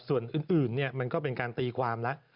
ส่วนอื่นเนี่ยมันก็เป็นการตีความละ